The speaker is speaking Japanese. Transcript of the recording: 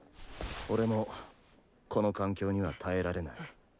俺もこの環境には耐えられない。